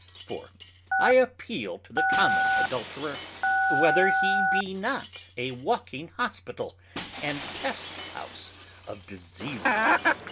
For I appeal to the common Adulterer, Whether he be not a walking Hospital and Pest house of Diseases?